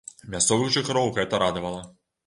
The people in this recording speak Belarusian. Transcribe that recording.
Мясцовых жыхароў гэта радавала.